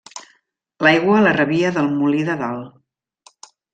L'aigua la rebia del molí de dalt.